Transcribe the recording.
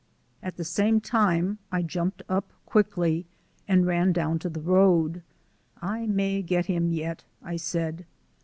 At the same time I jumped up quickly and ran down the road. "I may get him yet," I said.